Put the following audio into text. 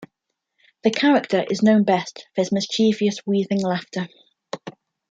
The character is known best for his mischievous, wheezing laughter.